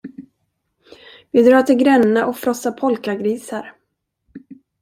Vi drar till Gränna och frossar polkagrisar!